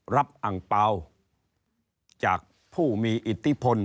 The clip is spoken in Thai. รับอังปาวจากผู้มีอิติพล